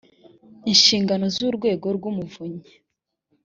inshingano z urwego rw umuvunyi